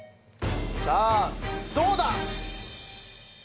さあどうだ？